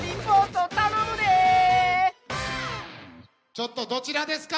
ちょっとどちらですか？